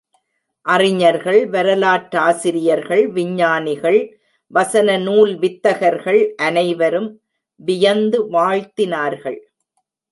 அறிஞர்கள், வரலாற்றாசிரியர்கள், விஞ்ஞானிகள், வசன நூல் வித்தகர்கள் அனைவரும் வியந்து வாழ்த்தினார்கள்.